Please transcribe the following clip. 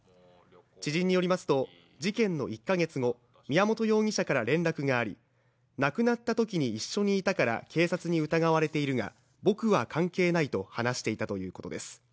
知人によりますと、事件の１か月後、宮本容疑者から連絡があり亡くなったときに一緒にいたから警察に疑われているが僕は関係ないと話していたということです。